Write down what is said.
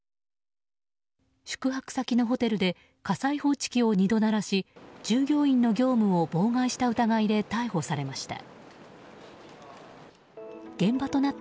宿泊先のホテルで火災報知機を２度鳴らし従業員の業務を妨害した疑いで逮捕されました。